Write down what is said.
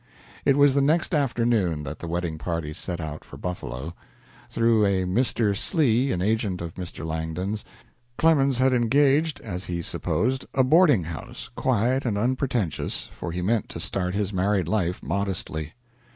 It was the next afternoon that the wedding party set out for Buffalo. Through a Mr. Slee, an agent of Mr. Langdon's, Clemens had engaged, as he supposed, a boarding house, quiet and unpretentious, for he meant to start his married life modestly.